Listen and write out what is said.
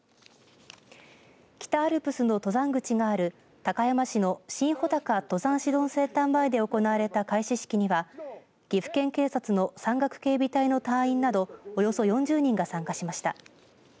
北アルプスの登山口がある高山市の新穂高登山指導センター前で行われた開始式には岐阜県警察の山岳警備隊の隊員などおよそ４０人が参加しました。